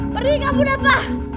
pergi ke bunda pak